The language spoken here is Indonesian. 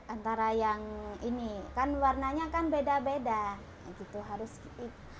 antara yang ini kan warnanya kan beda beda